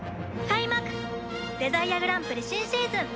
開幕デザイアグランプリ新シーズン！